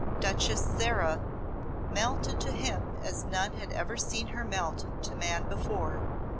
Duchess Sarah melted to him as none had ever seen her melt to man before.